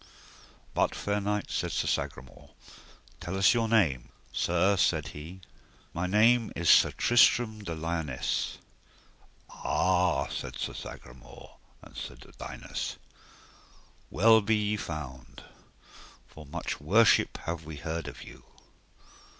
But, fair knight, said Sir Sagramore, tell us your name. Sir, said he, my name is Sir Tristram de Liones. Ah, said Sagramore and Sir Dodinas, well be ye found, for much worship have we heard of you.